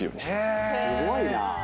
すごいな。